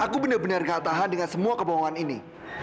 aku benar benar gak tahan dengan semua kebohongan ini